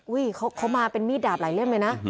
เขามาเป็นมีดดาบหลายเล่มเลยนะ